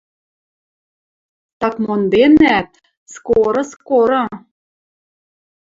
«Так монденӓт! Скоро, скоро...